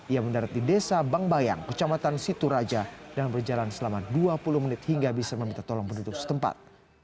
ia mendarat di desa bangbayang kecamatan situ raja dan berjalan selama dua puluh menit hingga bisa meminta tolong penduduk setempat